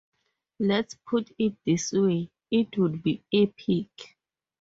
Let's put it this way, it would be epic.